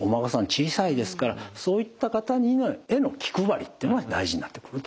小さいですからそういった方への気配りっていうのは大事になってくると思います。